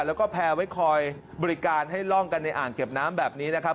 แล้วก็แพร่ไว้คอยบริการให้ล่องกันในอ่างเก็บน้ำแบบนี้นะครับ